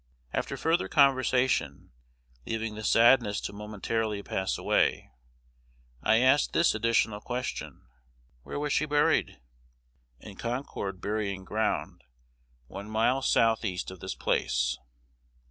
"After further conversation, leaving the sadness to momentarily pass away, I asked this additional question: "'Where was she buried?' "'In Concord burying ground, one mile south east of this place.'"